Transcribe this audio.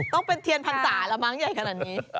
ต้องเป็นเทียนพรรษาแล้วมั้งใหญ่ขนาดนี้